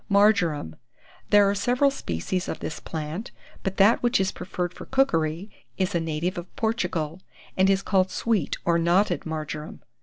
MARJORAM. There are several species of this plant; but that which is preferred for cookery is a native of Portugal, and is called sweet or knotted marjoram.